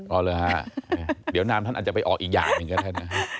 เอาเหรอฮะเดี๋ยวนามท่านอาจจะไปออกอีกอย่างหนึ่งก็ได้นะฮะ